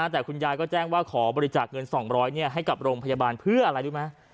แต่คุณยายก็แจ้งว่าขอบริจาคเงิน๒๐๐ให้กับโรงพยาบาลเพื่ออะไรรู้ไหม